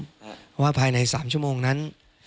เพราะว่าภายใน๓ชั่วโมงนั้น